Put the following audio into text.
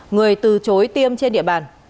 người từ chối tiêm trên địa bàn